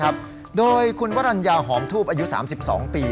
ครับโดยคุณวรรณยาหอมทูบอายุสามสิบสองปี